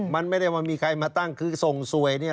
มันไม่ได้ว่ามีใครมาตั้งคือส่งสวยเนี่ย